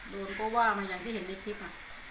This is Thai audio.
โดนก็ว่ามาอย่างที่เห็นในคลิป